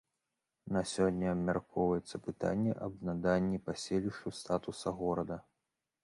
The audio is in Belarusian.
На сёння абмяркоўваецца пытанне аб наданні паселішчу статуса горада.